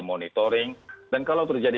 monitoring dan kalau terjadi